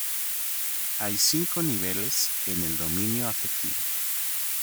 Hay cinco niveles en el dominio afectivo.